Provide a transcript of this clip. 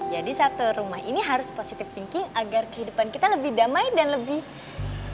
satu rumah ini harus positive thinking agar kehidupan kita lebih damai dan lebih baik